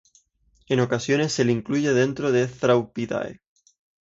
En ocasiones se le incluye dentro de Thraupidae.